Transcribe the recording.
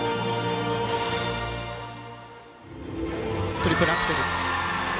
トリプルアクセル。